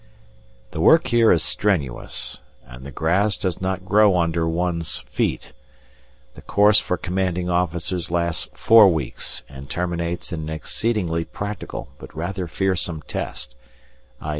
The work here is strenuous, and the grass does not grow under one's feet. The course for commanding officers lasts four weeks, and terminates in an exceedingly practical but rather fearsome test i.